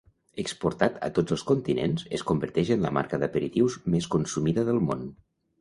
Exportat a tots els continents, es converteix en la marca d'aperitius més consumida del món.